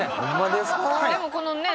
でもこのね。